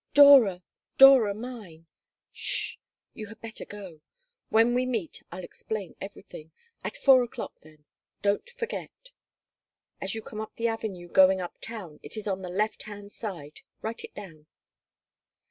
Dora! Dora mine!" "'S sh! You had better go. When we meet I'll explain everything. At 4 o'clock, then. Don't forget. As you come up the avenue, going up town, it is on the left hand side. Write it down."